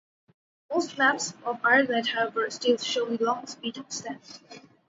Most maps of Ireland, however, still show the long spit of sand.